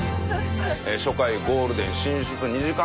初回ゴールデン進出２時間